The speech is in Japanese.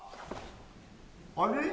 あれ？